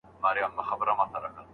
د طلاق حکم په کوم حالت پورې اړه لري؟